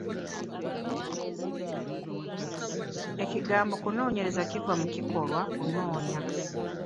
Ekigambo okunoonyereza kiva mu kikolwa okunoonya.